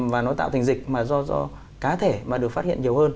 và nó tạo thành dịch mà do cá thể mà được phát hiện nhiều hơn